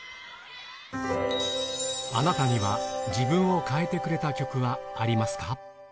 あなたには自分を変えてくれた曲はありますか？